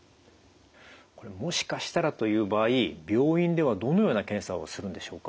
これもしかしたらという場合病院ではどのような検査をするんでしょうか？